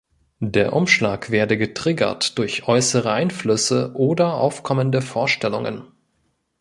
Der Umschlag werde getriggert durch äußere Einflüsse oder aufkommende Vorstellungen.